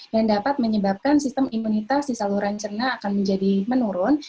yang dapat menyebabkan sistem imunitas di saluran cerna akan menjadi menurun